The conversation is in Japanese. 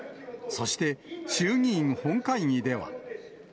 そして、衆議院本会議では。